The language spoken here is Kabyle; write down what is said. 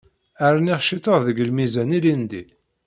Rniɣ ciṭuḥ deg lmizan ilindi.